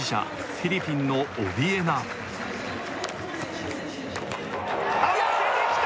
フィリピンのオビエナ合わせてきた！